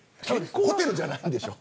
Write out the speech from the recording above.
ホテルじゃないんでしょ。